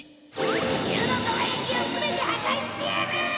地球のどら焼きを全て破壊してやる！